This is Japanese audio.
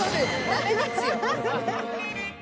ダメですよ。